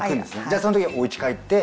じゃあその時にお家帰って。